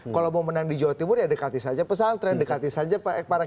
kalau mau menang di jawa timur ya dekati saja pesantren dekati saja pak ekparan